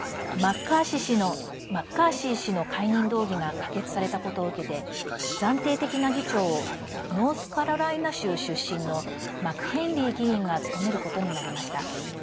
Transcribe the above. マッカーシー氏の解任動議が可決されたことを受けて暫定的な議長をノースカロライナ州出身のマクヘンリー議員が務めることになりました。